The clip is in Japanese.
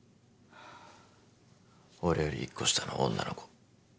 俺より１個下の女の子。